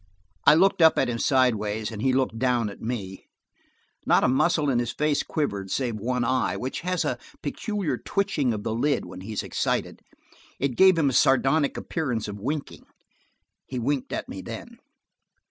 I looked up at him sideways, and he looked down at me. Not a muscle of his face quivered, save one eye, which has a peculiar twitching of the lid when he is excited. It gave him a sardonic appearance of winking. He winked at me then.